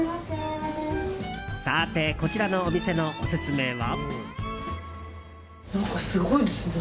さて、こちらのお店のオススメは。